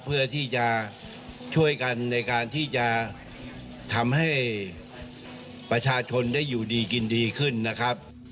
เพื่อที่จะช่วยกันในการที่จะทำให้ประชาชนได้อยู่ดีกินดีขึ้นนะครับ